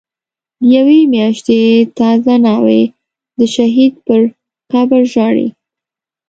د یوی میاشتی تازه ناوی، دشهید پر قبرژاړی